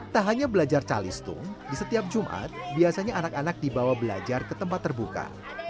tak hanya belajar calistung di setiap jumat biasanya anak anak dibawa belajar ke tempat terbuka